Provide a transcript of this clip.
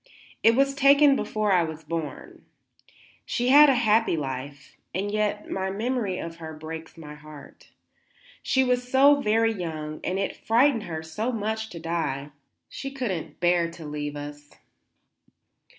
"It was taken before I was born. She had a happy life, and yet my memory of her breaks my heart. She was so very young and it frightened her so much to die; she could not bear to leave us."